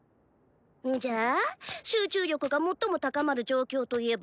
んじゃ集中力が最も高まる状況といえば？